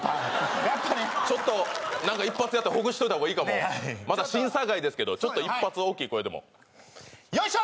やっぱちょっと何か一発やってほぐしといた方がいいかもまだ審査外ですけどちょっと一発大きい声でもよいしょ！